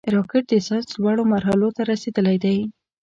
راکټ د ساینس لوړو مرحلو ته رسېدلی دی